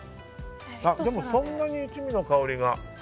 でも、そんなに一味の香りは。